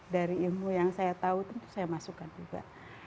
dari ilmu yang saya tahu tentu saya masukkan juga